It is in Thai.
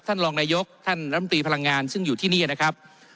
ท่านรองนายกท่านลำตีพลังงานซึ่งอยู่ที่นี่นะครับ